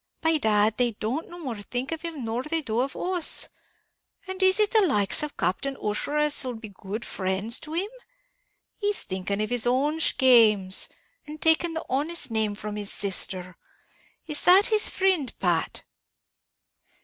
By dad, they don't think no more of him nor they do of us. And is it the likes of Captain Ussher as'll be good frinds to him? He's thinking of his own schames, and taking the honest name from his sister. Is that his frind, Pat?"